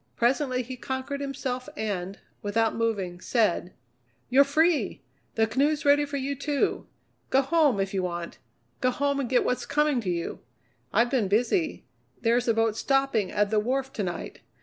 Presently he conquered himself, and, without moving, said: "You're free! The canoe's ready for you, too. Go home if you want go home and get what's coming to you! I've been busy. There's a boat stopping at the wharf to night.